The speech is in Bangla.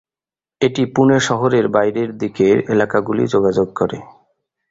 এটি পুণে শহরের বাইরের দিকের এলাকাগুলি যোগাযোগ করে।